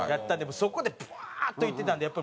そこでブワーッといってたんでやっぱりもう。